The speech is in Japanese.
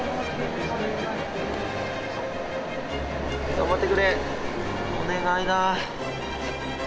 頑張ってくれお願いだ。